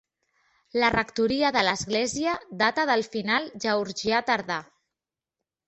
La rectoria de l'església data del final georgià tardà.